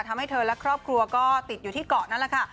ทำให้เธอและครอบครัวก็ติดอยู่ที่เกาะนั่นแหละค่ะ